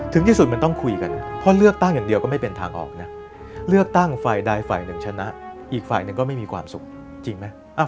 ถึงที่สุดมันต้องคุยกันเพราะเลือกตั้งอย่างเดียวก็ไม่เป็นทางออกนะเลือกตั้งฝ่ายใดฝ่ายหนึ่งชนะอีกฝ่ายหนึ่งก็ไม่มีความสุขจริงไหม